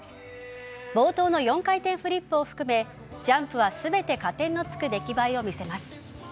冒頭の４回転フリップを含めジャンプは全て加点のつく出来栄えを見せます。